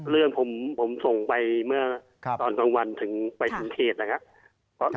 เรื่องผมส่งไปเมื่อตอนกลางวันถึงไปถึงเขตนะครับ